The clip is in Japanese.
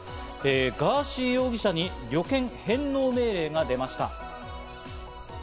ガーシー容疑者に旅券返納命令が出ました。